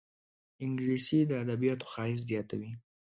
انګلیسي د ادبياتو ښایست زیاتوي